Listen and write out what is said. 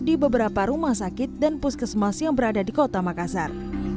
di beberapa rumah sakit dan puskesmas yang berada di kota makassar